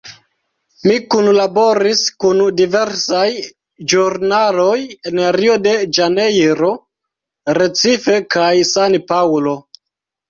Li kunlaboris kun diversaj ĵurnaloj en Rio de Ĵanejro, Recife kaj San Paŭlo.